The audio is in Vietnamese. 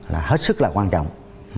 là hết sức là quan trọng